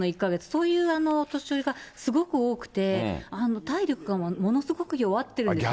そういうお年寄りがすごく多くて、体力がものすごく弱ってるんですね。